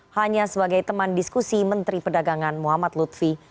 hanya sebagai teman diskusi menteri pedagangan muhammad lutfi